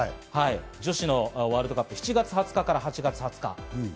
女子のワールドカップ、７月２０日から始まります。